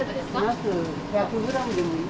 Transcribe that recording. ナス１００グラムでもいい？